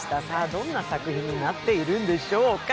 どんな作品になっているのでしょうか？